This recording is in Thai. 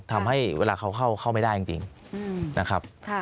ทำให้เวลาเขาเข้าไม่ได้จริงนะครับ